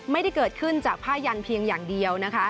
ไม่ได้เกิดขึ้นจากภาญันย์เพียงอย่างเดียว